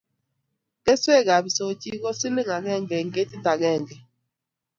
keswek ab isochik ko siling agenge eng' ketit agenge